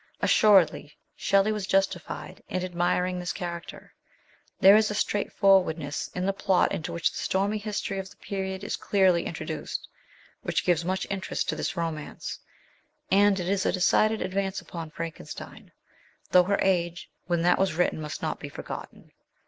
Assuredly, Shelley was justified in admiring this character. There is a straight forwardness in the plot into which the stormy history of the period is clearly introduced, which gives much interest to this romance, and it is a decided advance upon Frankenstein, though her age 154 MBS. SHELLS Y. when that was written must not be forgotten.